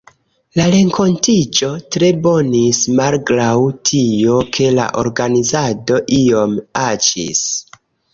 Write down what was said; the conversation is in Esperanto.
La renkontiĝo tre bonis, malgraŭ tio ke la organizado iom aĉis.